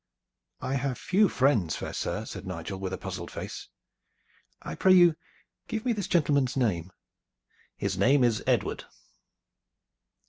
"I have few friends, fair sir," said Nigel, with a puzzled face. "I pray you give me this gentleman's name." "His name is Edward."